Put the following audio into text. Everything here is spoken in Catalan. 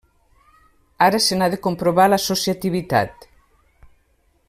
Ara se n'ha de comprovar l'associativitat.